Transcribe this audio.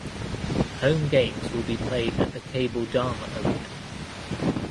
Home games will be played at the Cable Dahmer Arena.